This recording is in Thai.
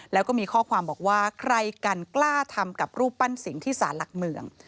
แล้วก็มีข้อความบอกว่าใครกันกล้าทำกับรูปปั้นสิงที่สารหลักเมือง